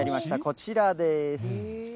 こちらです。